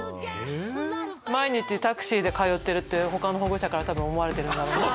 毎日タクシーで通ってるって他の保護者から多分思われてるんだろうなと。